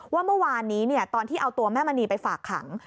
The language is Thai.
ว่าเมื่อวานนี้ตอนที่เอาตัวแม่มณีไปฝากขัง